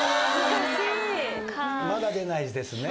まだ出ないですね。